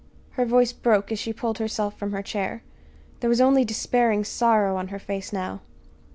Her voice broke as she pulled herself from her chair. There was only despairing sorrow on her face now.